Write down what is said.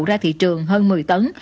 ra thị trường hơn một mươi tấn